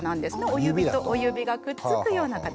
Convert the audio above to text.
お指とお指がくっつくような形。